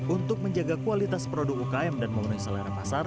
untuk menjaga kualitas produk ukm dan memenuhi selera pasar